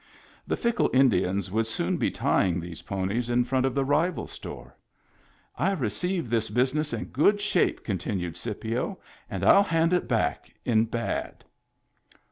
The fickle Indians would soon be tying these ponies in front of the rival store. " I received this business in good shape," continued Scipio, " and FU hand it back in bad."